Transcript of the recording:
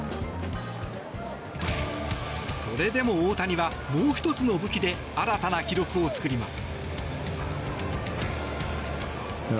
それでも大谷はもう１つの武器で新たな記録を作ります。